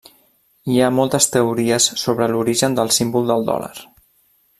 Hi ha moltes teories sobre l'origen del símbol del dòlar.